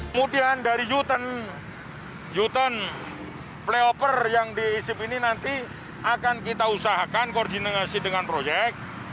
kemudian dari uten playover yang diisip ini nanti akan kita usahakan koordinasi dengan proyek